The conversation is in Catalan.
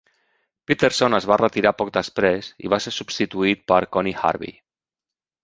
Peterson es va retirar poc després i va ser substituït per Connie Harvey.